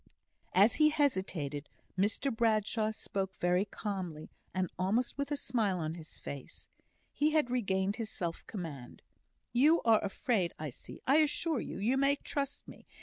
As he hesitated, Mr Bradshaw spoke, very calmly, and almost with a smile on his face. He had regained his self command. "You are afraid, I see. I assure you, you may trust me.